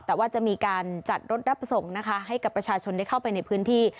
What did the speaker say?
แต่ว่าจะมีการจัดรถรับส่งนะคะให้กับประชาชนได้เข้าไปในพื้นที่